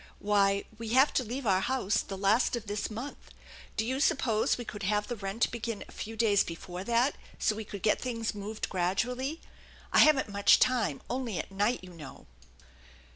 Why, we have to leave our house the last of this month. Do you suppose we could have the rent begin a few days before that, so we could get things moved gradually? I haven't much time, only at night, you know."